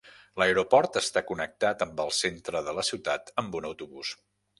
L'aeroport està connectat amb el centre de la ciutat amb un autobús